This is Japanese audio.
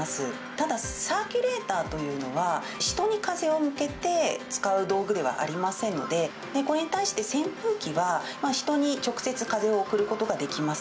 ただ、サーキュレーターというのは、人に風を向けて、使う道具ではありませんので、それに対して、扇風機は人に直接風を送ることができます。